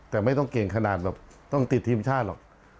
แต่ไม่ต้องเก่งขนาดแบบต้องติดทีมชาติหรอก